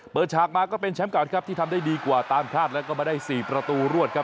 ฉากมาก็เป็นแชมป์เก่าครับที่ทำได้ดีกว่าตามคาดแล้วก็มาได้๔ประตูรวดครับ